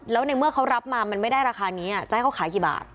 แล้วในเมื่อเขารับมามันไม่ได้ราคานี้จะให้เขาขายกี่บาท